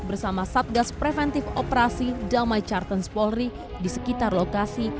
bersama satgas preventif operasi damai chartens polri di sekitar lokasi